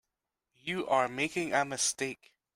You are making a mistake.